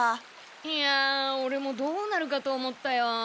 いやオレもどうなるかと思ったよ。